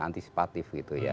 antisipatif gitu ya